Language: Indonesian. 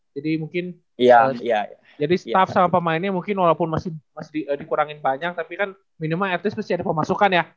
jadi mungkin jadi staff sama pemainnya mungkin walaupun masih dikurangin banyak tapi kan minimal at least pasti ada pemasukan ya